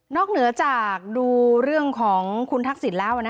เหนือจากดูเรื่องของคุณทักษิณแล้ว